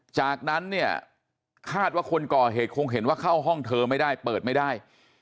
จากนั้นเนี่ยคาดว่าคนก่อเหตุคงเห็นว่าเข้าห้องเธอไม่ได้เปิดไม่ได้